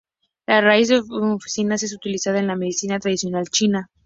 La raíz de "M. officinalis" es utilizada en la Medicina tradicional china.